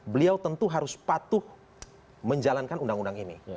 beliau tentu harus patuh menjalankan undang undang ini